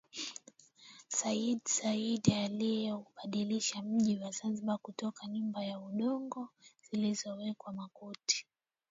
Seyyid Said aliubadilisha Mji wa Zanzibar kutoka nyumba za udongo zilizoezekwa makuti